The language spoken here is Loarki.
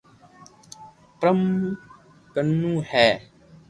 پرم ڪنو ھي